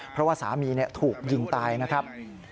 เพราะว่าสามีถูกยิงตายนะครับ